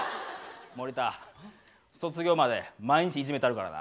森田卒業まで毎日いじめたるからな。